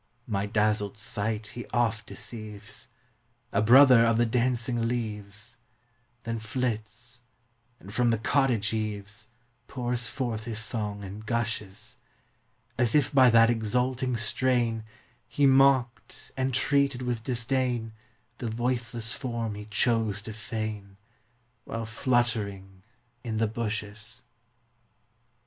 My dazzled sight he oft deceives, A Brother of the dancing leaves: Then flits, and from the cottage eaves Pours forth his song in gushes; As if by that exulting strain He mocked and treated with disdain The voiceless Form he chose to feign, While fluttering in the bushes.